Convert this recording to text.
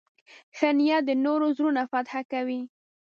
ښه نیت د نورو زړونه فتح کوي.